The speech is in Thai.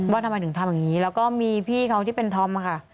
ว่าทำไมถึงทำอย่างนี้แล้วก็มีพี่เขาที่เป็นธอมค่ะ